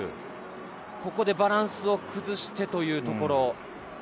ここでバランスを崩してというところ。